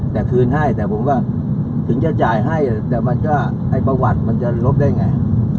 แต่คืนให้แต่ผมว่าถึงจะจ่ายให้แต่มันก็ไอ้ประวัติมันจะลบได้ไง